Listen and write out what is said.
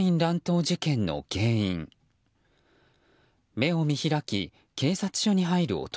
目を見開き警察署に入る男。